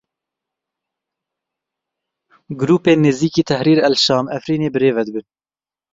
Grûpên nêzîkî Tehrîr el Şam Efrînê birêve dibin.